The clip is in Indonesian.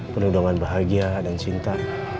penuh dengan bahagia dan cinta